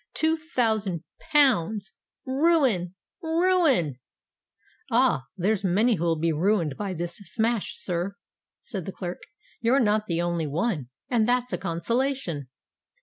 "Two thousand pounds—ruin—ruin!" "Ah! there's many who'll be ruined by this smash, sir," said the clerk: "you're not the only one—and that's a consolation."